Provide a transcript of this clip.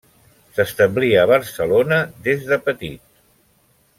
S'establí a Barcelona des de petit.